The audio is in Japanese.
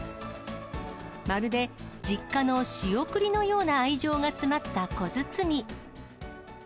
まるで実家の仕送りのような愛情が詰まった小包。